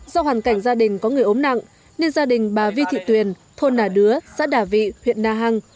do hoàn cảnh gia đình có người ốm nặng nên gia đình bà vi thị tuyền thôn nà đứa xã đà vị huyện na hàng